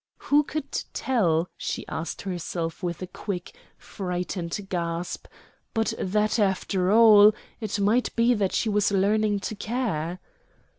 Who could tell, she asked herself with a quick, frightened gasp, but that, after all, it might be that she was learning to care?